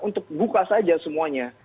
untuk buka saja semuanya